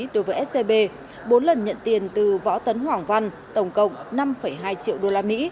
đối với scb bốn lần nhận tiền từ võ tấn hoàng văn tổng cộng năm hai triệu usd